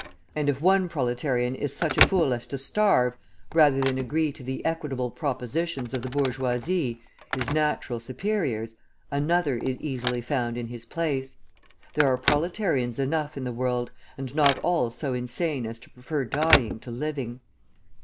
And if one proletarian is such a fool as to starve rather than agree to the equitable propositions of the bourgeoisie, his "natural superiors," another is easily found in his place; there are proletarians enough in the world, and not all so insane as to prefer dying to living.